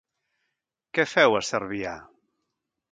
Què feu a Cervià?